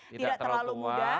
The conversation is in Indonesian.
tidak terlalu muda